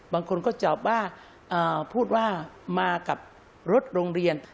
บางคนก็ตอบว่าพูดว่ามากับรถโรงเรียน